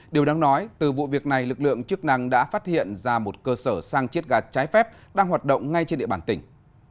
điều đáng nói từ vụ việc này lực lượng chức năng đã phát hiện ra một cơ sở sang chiết ga trái phép đang hoạt động ngay trên địa bàn tỉnh